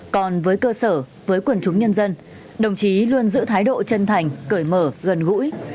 còn với cơ sở với quần chúng nhân dân đồng chí luôn giữ thái độ chân thành cởi mở gần gũi